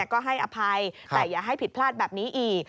ก็ให้อภัยแต่อย่าให้ผิดพลาดแบบนี้อีก